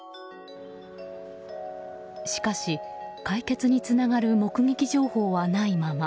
しかし、解決につながる目撃情報はないまま。